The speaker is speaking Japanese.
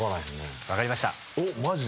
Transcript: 分かりました。